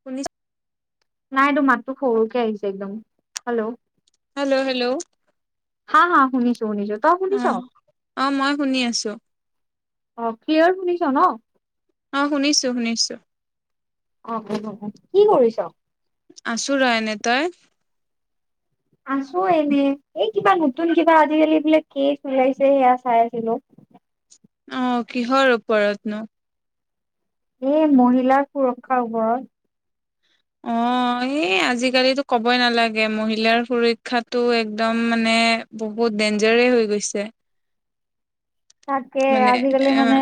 শুনিছ নাই তোৰ মাততো সৰুকে আহিছে, একদম হেল্ল'। হেল্ল' হেল্ল' হা, হা, শুনিছো, শুনিছো, তই শুনিছ। অ' অ' মই শুনি আছো অ' ক্লিয়াৰ শুনিছ ন। অ' শুনিছো, শুনিছো। অ' অ' কি কৰিছ? আছো ৰৈ এনে তই আছো এনে এই কিবা নতুন কিবা আজিকালি বোলে কেক ওলাইছে, সেয়া চাই আছিলো। [inaudible] অ' কিহৰ ওপৰতনো। এই মহিলাৰ সুৰক্ষাৰ ওপৰত। [inaudible] অ' এই আজিকালি কবই নালাগে, মহিলাৰ সুৰক্ষাতো একদম মানে বহুত বহুত ডেঞ্জাৰে হৈ গৈছে। তাকে মানে আজিকালি এ মানে।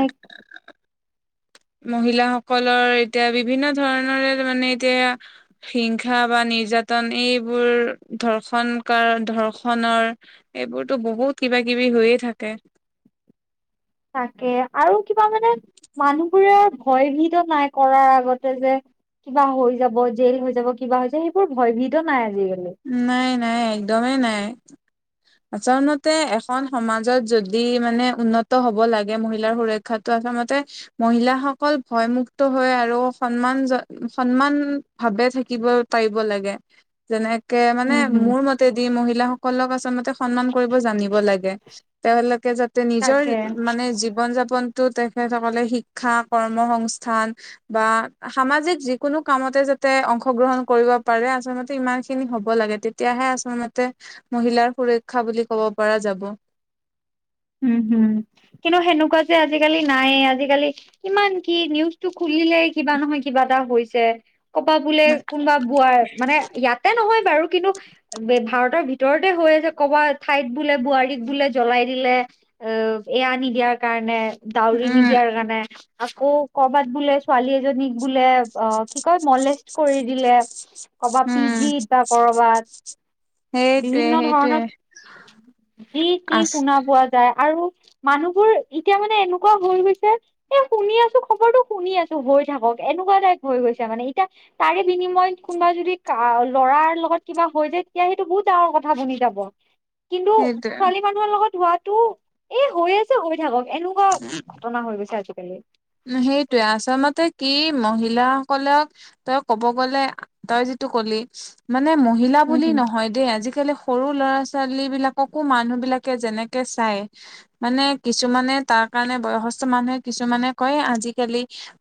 মহিলাসকলৰ এতিয়া বিভিন্ন ধৰণৰে মানে এতিয়া হিংসা বা নিৰ্যাতন এইবোৰ ধৰ্ষকা ধৰ্ষণৰ এইবোৰতো বহুত কিবাকিবি কিবা কিবি হৈয়ে থাকে। [inaudible] তাকে আৰু কিবা মানে মানুহবোৰে আৰু ভয় ভিদতো নাই কৰাৰ আগতে যে কিবা হৈ যাব, জেল হৈ যাব, কিবা হৈ যাব, সেইবোৰ ভয় ভীত নাই আৰু নাই, নাই, একদমেই নাই। [inaudible] আচলমতে, এখন সমাজত যদি মানে উন্নত হ'ব লাগে মহিলাৰ সুৰক্ষাতটো আচল আচলমতে, মহিলাসকল ভয়মুক্ত হৈ আৰু সন্মান সন্মান ভাৱে। থাকিব পাৰিব লাগে, যেনেকে মানে উম হুম মোৰ মতেদি মহিলাসকলক আচলমতে সন্মান কৰিব জানিব লাগে। তেওঁলোকে যাতে নিজৰ তাকে মানে জীৱন যাপন জীৱনটো তেখেতসকলে শিক্ষা কৰ্ম সংস্থান বা সামাজিক যিকোনো কামত যাতে অংশগ্ৰহণ কৰিব পাৰে আচলতে ইমানন খিনি হব লাগে তেতিয়াহে আচল মতে মহিলাৰ সুৰক্ষা বুলি কব পৰা যাব [inaudible] উম হম কিন্তু সেনেকুৱা যে আজিকালি নাইে আজিকালি ইমান কি নিউজটো খুব তুলিলে কিবা নহয় কিবা এটা হৈছে কবা বোলে কোনোবা বোৱাৰ মানে ইয়াতে নহয় বাৰু কিন্তু ভাৰতৰ ভিতৰতে হৈ আছে ক'বাত ঠাইত বোলে বোৱাৰীক বোলে জ্বলাই দিলে অ' এয়া নিদিয়াৰ কাৰণে, ডাউৰি উম, নিদিয়াৰ কাৰণে। আকৌ ক'ৰবাত বোলে ছোৱালী এজনীক বোলে। অ' কি কয় মোৰলেচত কৰি দিলে কৰবা পি উম, জি বা ক'ৰবাত। সেইটোৱে বিভিন্ন সেইটোৱে ধৰণত কি কি আছ শুনা পোৱা যায়। আৰু মানুহবোৰ এতিয়া মানে এনেকুৱা হৈ গৈছে এ শুনি আছো খবৰটো শুনি আছো। কৰিলে থাকক এনেকুৱা টাইপ হৈ গৈছে, মানে এতিয়া তাৰে বিনিময়ত কোনোবা যদি ল'ৰাৰ লগত কিবা হৈ যায় তেতিয়া সেইটো বহুত ডাঙৰ কথা শুনি যাব কিন্তু সেইটোৱে। ছোৱালী মানুহৰ লগত হোৱাতটো এ হৈ আছে হৈ থাকক এনেকুৱা ঘটনা হৈ গৈছে আজিকালি সেইটয়ে আচলতে কি মহিলাসকলক তই ক'ব গ'লে তই য ক'লি মানে মহিলা উম বুলি হম নহয় দেই আজিকালি সৰু ল'ৰা ছোৱালী বিলাককো মানুহ বিলাকে যেনেকে চাই মানে কিছুমানে তাৰ তাৰ কাৰণে বয়সস্থ মানুহে কিছুমানে কয় আজিকালি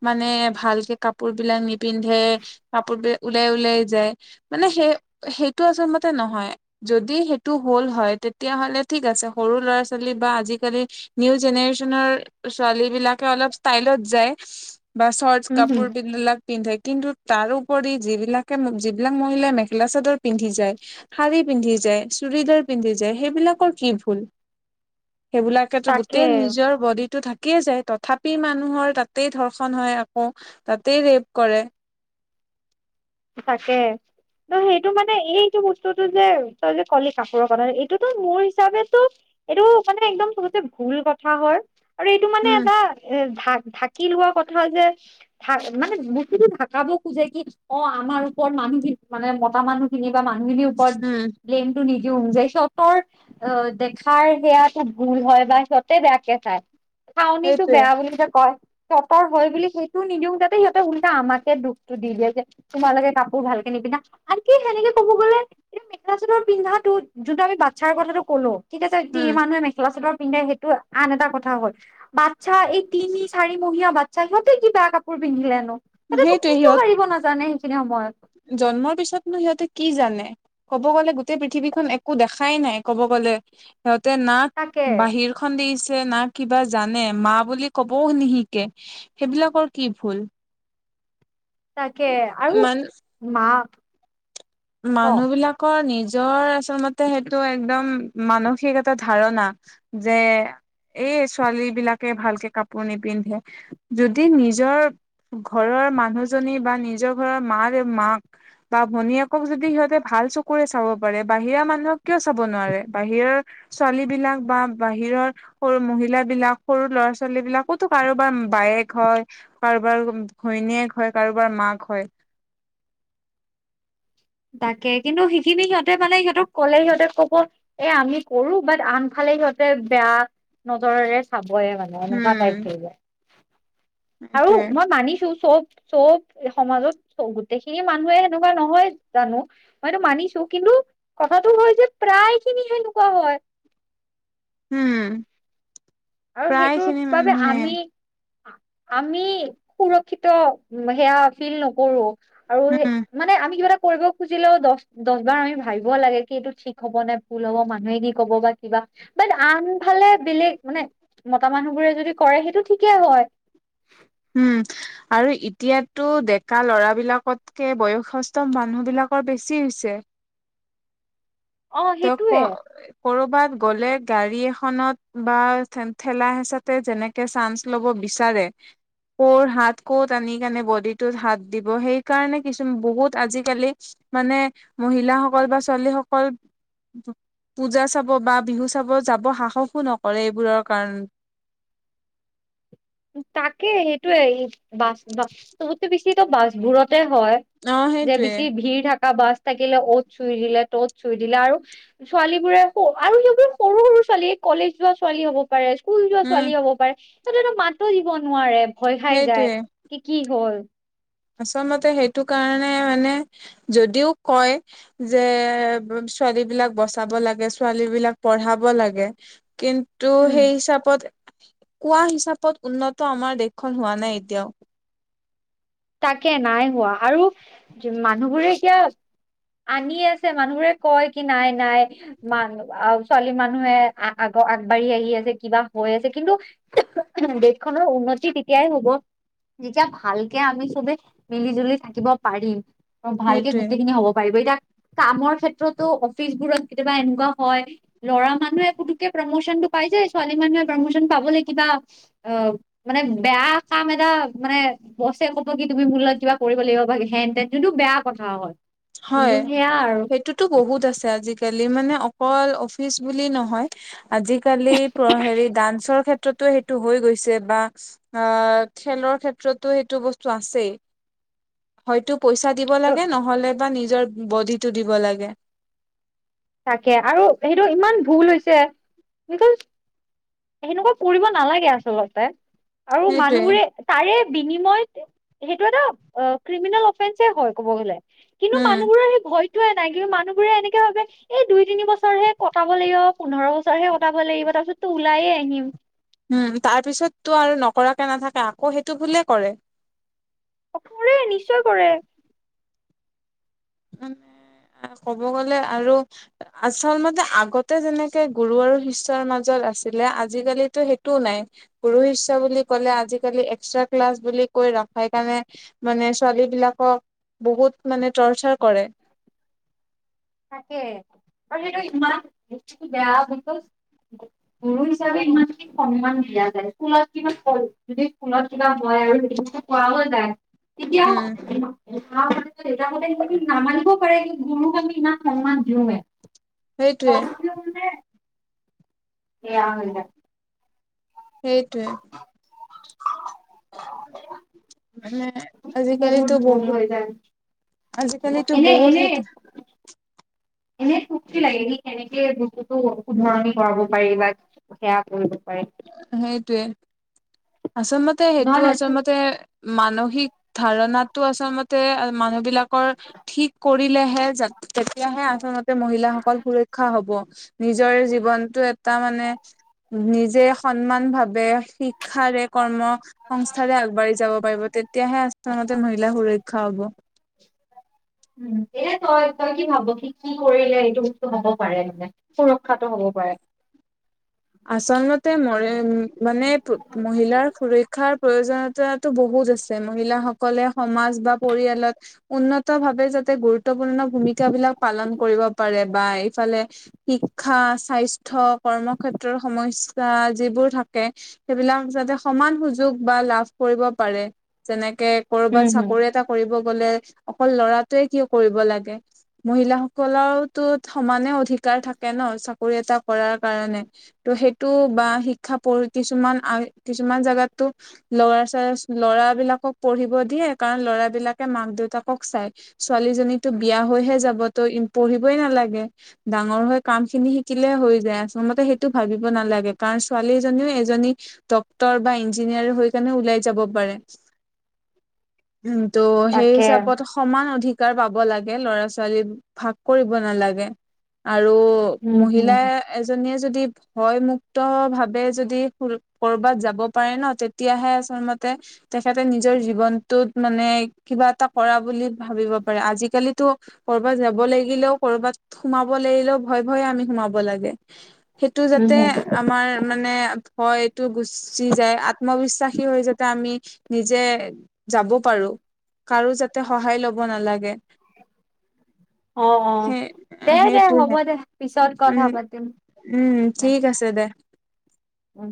মানে ভালকে কাপোৰ বিলাক নিপিন্ধে কাপোৰ বি ওলাই ওলাই মানে সেই সেইটো আচল মতে নহয় যদি সেইটো হল হয় তেতিয়াাহ'লে ঠিক আছে সৰু ল'ৰা ছোৱালী বা আজিকালি নিউ জেনেৰেচনৰ ছোৱালী বিলাকে অলপ ষ্টাইলত যায় বা শৰ্ট উম হম কাপোৰলাক পিন্ধে কিন্তু তাৰ উপৰি যিবিলাকে যিবিলাক মহিলাই মেখেলা চাদৰ পিন্ধি যায় শাৰী পিন্ধি যায় চুৰিদাৰ পিন্ধি যায় সেইবিলাকৰ কি ভুল [inaudible] সেইবিলাকেতো গোটেই তাকে নিজৰ বডি টো থাকিয়ে যায় তথাপ পি মানুহৰ তাতেই ধৰ্ষণ হয় আকৌ তাতেই ৰেপ কৰে তাকে ত সেইটো মানে এইটো বস্তুটো যে তই যে কলি কাপোৰৰ কাৰণে এইটোতো মোৰ হিচাপো এইটো মানে একদম চহতে ভুল কথা হয় আৰু এইটো মানে উম এটা এ ঢ ঢাকি লোৱা কথা যে মানে বকিো ঢাকাব খোজে কি অ আমাৰ ওপৰত মানুহখিনি মানে মতা মানুহখিনি বা মানুহখিনিৰ ওপৰত উম ব্লেমটো নি দি যে সিতৰ অ দেখাৰ সেয়া খব ভুল হয় বা সিহতে বেয়াকে খায় খাউনি একো সেইটোৱে বেয়া বুলি যে কয় ততৰ হয় বুলি সেইটো নিদিও যাতে সিহঁতে উল্টা আমাকে দুখটো দি দিয়ে যে তোমালোকে কাপোৰ ভাল কেে নিপিধা আনকি তেনেকে কব গলে এই মেখেলা চাদৰ পিন্ধা যোনটো আমি বাচ্ছাৰ কথাটো ক'লো ঠিক আছে উম এ মানুহে মেখেলা চাদৰ পিন্ধে সেইটো আন এটা কথা হ'ল বাট আচ্া এই তিনি চাৰি মহহিয়া বাচ্া সিহঁতে কি বেয়া কাপোৰ পিন্ধিলেো সেইটোোৱি হত সেইনে সময়ত জন্মৰ পিছতনো সিহঁতে কি জানে ক'ব গ'লে গোটেই পৃথিৱীখন একো দেখাই নাই ক'ব গ'লে সিহঁতে নাক তাকে বাহিৰ খ দি না কিবা জানে মা বুলি কবও নিশিকে সেইবিলাকৰ কি ভুল তাকে আৰু মান মা ক মানুহ বিলাকৰ নিজ নিজৰ আচলতে সেইটো একদম মানসিক এটা ধাৰণা যে এই ছোৱালী বিলাকে ভালকে কাপোৰ নিপিন্ধে যদি নিজৰ ঘৰৰ মানুহজনী বা নিজৰ ঘৰৰ মা মাক বা ভনীয়েক যদি সিহঁতে ভাল চকুৰে চাব পাৰে বাহিৰা মানুহক কিয় চাব নোৱাৰে বাহিৰৰ ছোৱালী বিলাক বা বাহিৰৰ সৰু মহিলা বিলাক সৰু ল'ৰা ছোৱালী বিলাকোতো কাৰোবাৰ বায়েক হয়। কাৰোবাৰ ঘৈণীয়েক হয় কাৰোবাৰ মাক হয়। তাকে কিন্তু সেইখিনি সিহঁতে মানে সিহঁতক ক'লে সিহঁতে ক'ব এ আমি কৰো বাট আনফালে সিহতে বেয়া নজৰেৰে চাবয়ে মানে এনেকুৱা টাইপ উম ধৰি লোৱা। আৰু এইটোৱে মই মানিছো চব চব সমাজত চ গোটেইখিনি মানুহে সেনেকুৱা নহয় জানো মইতো মানিছো কিন্তু কথাটো হয় যে প্ৰায় খিনি সেনেকুৱা হয় [inaudible] উম আৰু প্ৰায় সেইটোৰ খিনি বাবে মানুহে আমি আমি সুৰক্ষিত সেয়া ফিল নকৰো আৰু সেই উম মানে আমি কিবা এটা কৰিব খুজিলেও দছ দছ বাৰ আমি ভাবিব লাগে কি এইটো ঠিক হ'ব নে ভুল হ'ব মানুহে কি ক'ব বা কিবা বাট আনফালে বেলেগ মানে মতা মানুহবোৰে যদি কৰে সেইটো ঠিকেই হয়। উম, আৰু এতিয়াতো ডেকা ল'ৰা বিলাকতকে বয়সস্থ মানুহ বিলাক কৰ বেছি হৈছে। অ তেওঁক ক সেইটোয়ে কৰ'বাত গ'লে গাড়ী এখনত বা ঠেলা হেচাতে যেনেকে চান্স ল'ব বিচাৰে। কৰ হাত কত কেনে বডিটোত হাত দিব সেইকাৰণে কিছুমান বহুত আজিকালি মানে মহিলাসকল বা ছোৱালীসকল পূজা চাব বা বিহু চাব যাব সাহসো নকৰে এইবোৰৰ কাৰণে। তাকে সেইটোয়ে এই বাছ-বাছ চবত বেছি বাছবোৰত হয়, অ যে সেইটোৱে বেছি ভিৰ থাকে কা বাছ থাকিলে অ'ত চুই দিলে ত'ত চুই দিলে আৰু ছোৱালী বোৰে আৰু সেইবোৰ সৰু সৰু ছোৱালীয়ে কলেজ যোৱা ছোৱালী হ'ব পাৰে স্কুল যোৱা উম ছোৱালী হ'ব পাৰে সিহঁতেটো মাতো দিব নোৱাৰে ভয় খাই যায় সেইটোৱে কি কি হ'ল। আচলতে সেইটো কাৰণে মানে যদিও কয় যে ছোৱালী বিলাক বচাব লাগে ছোৱালী বিলাক পঢ়াব লাগে কিন্তু তো উম সেই হিচাপত কোৱা হিচাপত উন্নত আমাৰ দেশখন হোৱা নাই এতিয়াও। তাকে নাই হোৱা আৰু মানুহবোৰে এতিয়া আনি আছে মানুহোৰে কয় কি নাই নাই মান আ ছোৱালী মানুহে আগবাঢ়ি আহি আছে কিবা হৈ আছে কিন্তু দেশখনৰ উন্নতি তেতিয়াই হ'ব। যেতিয়া ভাল আমি চবে মিলি জুলি থাকিব পাৰিম আৰু ভালকে সেইটোৱে গোটেই খিনি হ'ব পাৰিব এতিয়া কামৰ ক্ষেত্ৰতো অফিচ বোৰত কেতিয়াবা এনেকুৱা হয় ল'ৰা মানুহে একোটোকে প্ৰমচন টো পাই যাই ছোৱালী মানুহে পাৰ্মোচন পাবলৈ কিবা অ' মানে বেয়া কাম এটা মানে বছে ক'ব কি তুমি মূলত কিবা কৰিব লাগিব হেন তেন কিন্তু বেয়া কথা হয়। যোনটো হয়, সেয়া আৰু সেইটোতো বহুত আছে আজিকালি। তেলি মানে অকল অফিচ বুলি নহয় আজি কালি ডান্সৰ ক্ষেত্ৰতো ত' সেইটো হৈ গৈছে বা খেলৰ ক্ষেত্ৰতো সেইটো বস্তু আছেই। হয়তো পইচা দিব ত লাগে নহলে বা নিজৰ বডিটো দিব লাগে। তাকে আৰু সেইটো ইমান ভুল হৈছে বিকজ সেনেকুৱা কৰিব নালাগে আচলতে আৰু সেইটোৱে মানুহবোৰে তাৰে বিনিময়ত সেইটো এটা অ' ক্ৰেমিনেল অফেন্স হয় ক'ব গ'লে। কিন্তু উম, মানুহবোৰৰ সেই ভয়তোৱে নাই কিন্তু মানুহবোৰে এনেকে ভাবে এই দুই তিনি বছৰহে কটাব লাগিব, পোন্ধৰ বছৰহে কটাব লাগিব, তাৰ পিছত তো ওলাইয়ে আহিম। উম, তাৰ পিছততো আৰু নকৰাকে নাথাকে আকৌ সেইটো ভুলে কৰে। অ' কৰে, নিশ্চয় কৰে। [unintelligible] ক'ব গ'লে আৰু আচল মতে আগতে যেনেকে গুৰু আৰু শিষ্যৰ মাজত আছিলে আজি কালি টো সেইটোও নাই গুৰু শিষ্য বুলি কলে এক্সট্ৰা ক্লাছ বুলি কৈ ৰাফাই তাঙে মানে ছোৱালী বিলাকক বহুত মানে টৰ্চাৰ কৰে। থাকে আৰু সেইটো ইমান বস্তুটো বেয়া বিকজ গুৰু হিচাপে ইমানখিনি সন্মান দিয়া যায় স্কুলত কিবা কয় যদি স্কুলত কিবা হয় [unintelligible] তেতিয়া উম, মাহঁতে, দেউতাহঁতে সিহঁতে নামানিব পাৰে কিন্তু গমো আমি ন। সম্মান দিওঁ সেইটোৱে [unintelligible] [unintelligible] সেইটোৱে [unintelligible] মানে আজিকালিতো ভুল বহুত হৈ যায় আজিকালিতো এনে বহুত এনে সেইটো এনে খুখি লাগে সি কেনেকে বস্তুতো শুধৰণি কৰাব পাৰি বা সেয়া কৰিব [unintelligible] সেইটোৱে আচলমতে, সেইটো নহয় নহয় আচলমতে মানসিক ধাৰণাতটো আচলমতে মানুহ বিলাকৰ ঠিক কৰিলেহে যাতে তেতিয়াহে আচলতে মহিলাসকল সুৰক্ষা সুৰক্ষা হ'ব, নিজৰ জীৱনটো এটা মানে নিজ জে সন্মান ভাৱে, শিক্ষাৰে, কৰ্ম সংস্থাৰে আগবাঢ়ি যাব। পাৰিব, তেতিয়াহে আচলমতে মহিলা সুৰক্ষা হ'ব। [unintelligible] উম, এ তই, তই কি ভাব কি কি কৰিলে এইটো বস্তু হ'ব পাৰে মানে সুৰক্ষাটো হ'ব পাৰে। হোৱাই আচলমতে মই মানে মহিলাৰ সুৰক্ষাৰ প্ৰয়োজনীয়তাটো বহুত আছে, মহিলাসকলে সমাজ বা পৰিয়ালত উন্নত ভাৱে যাতে বহুতে গুৰুত্বপূৰ্ণ ভূমিকা বিলাক পালন কৰিব পাৰে বা এইফালে শিক্ষা, স্বাস্থ্য, [unintelligible] কৰ্মক্ষেত্ৰ ৰ সমস্যা যিবোৰ থাকে সেইবিলাক যাতে সমান সুযোগ বা লাভ কৰিব পাৰে। যেনেকে উম, ক'ৰবাত হুম, চাকৰি এটা কৰিব গ'লে অকল ল'ৰাটোৱে কিয় কৰিব লাগে। মহিলাাসকলৰতো সমানে অধিকাৰ থাকে ন চাকৰি এটা কৰাৰ কাৰণে। ত' সেইটো বা শিক্ষা ওপৰি কিছুমান আ কিছুমান জাগাতো ল'ৰা ছৰা ল'ৰা বিলাকক পঢ়িব দিয়ে, কাৰণ ল'ৰা বিলাকে মাক দেউতাকক চাই ছোৱালীজনীতো বিয়া হৈ হে যাব, ত, পঢ়িবই নালাগে, ডাঙৰ হৈ কাম খিনি শিকিলেহে হৈ যায়, আচলতে ভাবিব নালাগে, কাৰণ ছোৱালীজনীও এজনী ডক্তৰ বা ইঞ্জিনিয়াৰ হৈ উলাই যাব পাৰে। [unintelligible] [inaudible] উম, কিন্ত' সেই তাকে হিচাপত সমান অধিকাৰ পাব লাগে ল'ৰা ছোৱালী ভাগ কৰিব নালাগে। আৰু উম, হুম, মহিলা এজনীয়ে যদি ভয় মুুক্ত ভাৱে যদি কৰ'বাত যাব পাৰে ন তেতিয়াহে আচলমতে তেখেতে নিজৰ জীৱনটোত মানে কিবা এটা কৰা বুলি ভাবিব পাৰে। আজিকালিতো ক'ৰবাত যাব লাগিলেও, ক'ৰবাত সোমাব লাগিলেও ভয় ভয়ে আমি সোমাব লাগে। সেইটো উম, যাতে হুম, আমাৰ মানে ভয় গুচি যায় আত্মবিশ্বাসী হৈ যাতে আমি নিজে যাব পাৰো কাৰো যাতে সহায় ল'ব নালাগে অ অ সেই দে দে হ'ব সেইটোহে দে পিছত কথা উম পাতিম উম দে। ঠিক আছে দে উম।